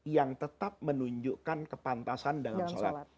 yang tetap menunjukkan kepantasan dalam sholat